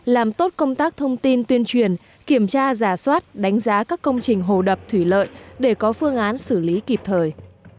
làm tốt công tác thông tin tuyên truyền kiểm tra giả soát đánh giá các công trình hồ đập thủy lợi để có phương án xử lý kịp thời